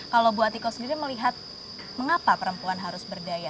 kalau buat ibu sendiri melihat mengapa perempuan harus berdaya